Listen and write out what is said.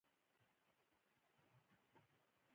سیاسي واک په لویه کچه پاشل شوی و.